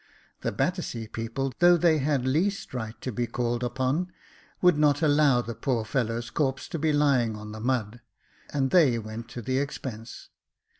The Battersea people, though they had least right to be called upon, would not allow the poor fellow's corpse to be lying on the mud, and they went to the expense.